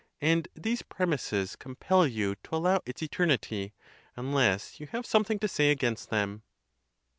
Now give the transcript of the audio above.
And these premises compel you to allow its eternity, unless you have some thing to say against them.